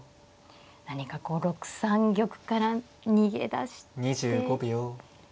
何かこう６三玉から逃げ出して。